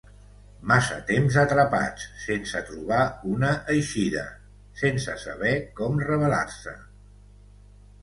Massa temps atrapats, sense trobar una eixida, sense saber com rebel·lar-se.